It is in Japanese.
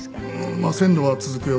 まあ線路は続くよ